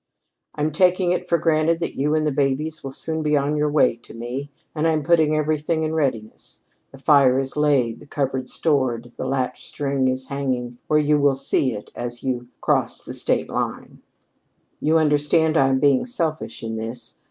"I'm taking it for granted that you and the babies will soon be on your way to me, and I'm putting everything in readiness. The fire is laid, the cupboard stored, the latchstring is hanging where you'll see it as you cross the state line. "You understand I'm being selfish in this.